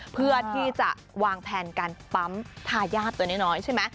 เพื่อที่จะวางแผนการปั๊มทายาทตัวน้อยใช่ไหม